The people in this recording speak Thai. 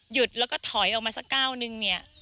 หยุดแล้วก็ถอยออกมาสักก้าวนึงเนี่ย